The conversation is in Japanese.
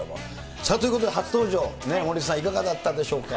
さあ、ということで初登場、森さん、いかがだったでしょうか。